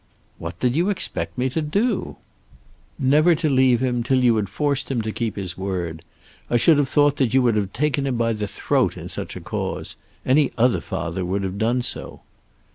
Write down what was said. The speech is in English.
"What did you expect me to do?" "Never to leave him till you had forced him to keep his word. I should have thought that you would have taken him by the throat in such a cause. Any other father would have done so."